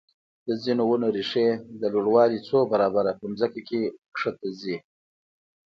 د ځینو ونو ریښې د لوړوالي څو برابره په ځمکه کې ښکته ځي.